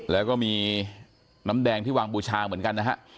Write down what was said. แล้วก็มีน้ำแดงที่วางบูชาเหมือนกันนะฮะ